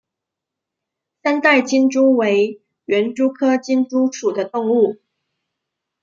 三带金蛛为园蛛科金蛛属的动物。